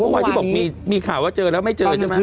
เมื่อวานที่บอกมีข่าวว่าเจอแล้วไม่เจอใช่ไหม